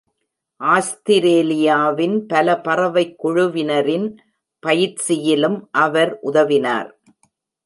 ஆஸ்திரேலியாவின் பல பறவைக் குழுவினரின் பயிற்சியிலும் அவர் உதவினார்.